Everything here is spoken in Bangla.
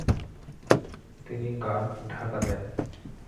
তিনি গা ঢাকা দেন।